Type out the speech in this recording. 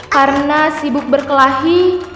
karena sibuk berkelahi